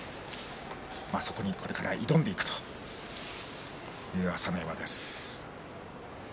それにこれから挑んでいくという朝乃山です。